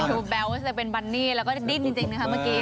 ดูแบ๊วจะเป็นบันนี่แล้วก็ดิ้นจริงนะคะเมื่อกี้